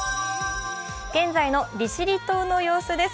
現在の利尻島の様子です。